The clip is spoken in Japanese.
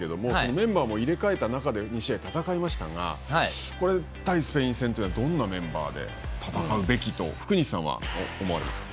メンバーも入れ替えた中で２試合戦いましたが対スペイン戦はどんなメンバーで戦うべきと福西さんは、どう思われますか。